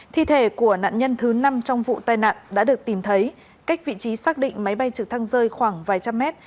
thi thể của nạn nhân thứ năm trong vụ tai nạn đã được tìm thấy cách vị trí xác định máy bay trực thăng rơi khoảng vài trăm mét